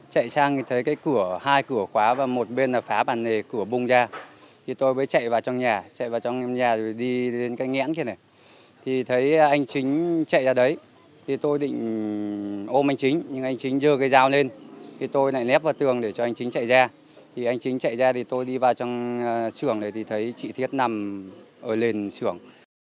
chúng tôi chạy vào trong nhà chạy vào trong nhà rồi đi lên cái nghẽn kia này thì thấy anh chính chạy ra đấy thì tôi định ôm anh chính nhưng anh chính dơ cái dao lên thì tôi lại lép vào tường để cho anh chính chạy ra thì anh chính chạy ra thì tôi đi vào trong xưởng này thì thấy chị thiết nằm ở lên xưởng